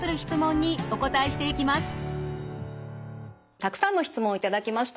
たくさんの質問を頂きました。